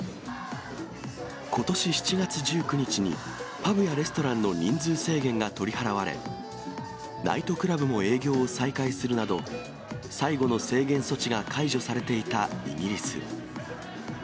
ことし７月１９日にパブやレストランの人数制限が取り払われ、ナイトクラブも営業を再開するなど、最後の制限措置が解除されていたイギリス。